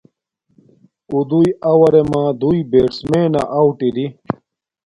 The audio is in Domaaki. اُݸ دݸئی اَوَرݺ مݳ دݸئی بݵٹسمݵنݳ آݸٹ اِرِی.